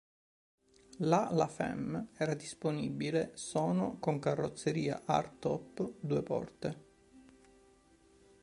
La La Femme era disponibile sono con carrozzeria hard-top due porte.